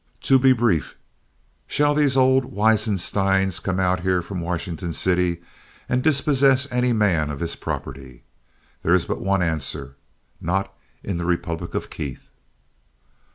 To be brief, shall these old Wisinsteins come out here from Washington City and dispossess any man of his property? There is but one answer not in the Republic of Keith."